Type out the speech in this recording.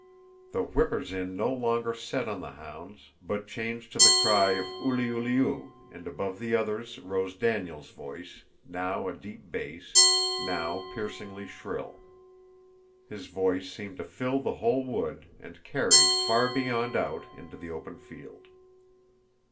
The whippers in no longer set on the hounds, but changed to the cry of ulyulyu, and above the others rose Daniel's voice, now a deep bass, now piercingly shrill. His voice seemed to fill the whole wood and carried far beyond out into the open field.